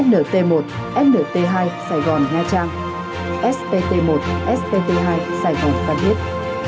nt một nt hai sài gòn nha trang spt một spt hai sài gòn văn hiếp